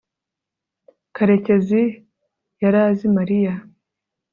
karekezi yari azi mariya